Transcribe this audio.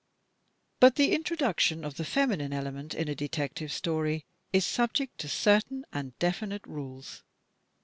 But the introduction of the feminine element in a Detective Story is subject to certain and definite rules.